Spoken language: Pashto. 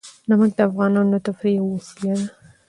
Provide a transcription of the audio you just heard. نمک د افغانانو د تفریح یوه وسیله ده.